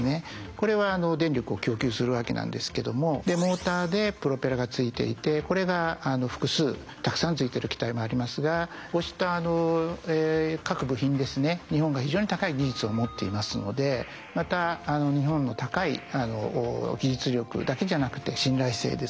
これは電力を供給するわけなんですけどもでモーターでプロペラが付いていてこれが複数たくさん付いてる機体もありますがこうした各部品ですね日本が非常に高い技術を持っていますのでまた日本の高い技術力だけじゃなくて信頼性ですね。